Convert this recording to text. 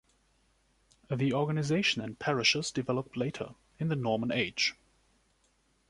The organization in parishes developed later, in the Norman age.